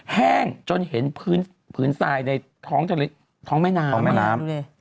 แห้งจนเห็นพื้นทรายในท้องแม่น้ำ